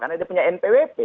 karena dia punya npwp